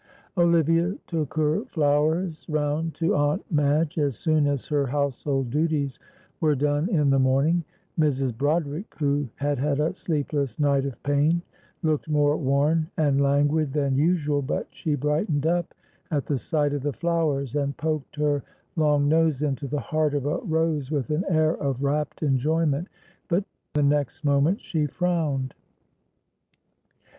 Olivia took her flowers round to Aunt Madge as soon as her household duties were done in the morning. Mrs. Broderick, who had had a sleepless night of pain, looked more worn and languid than usual, but she brightened up at the sight of the flowers, and poked her long nose into the heart of a rose with an air of rapt enjoyment, but the next moment she frowned.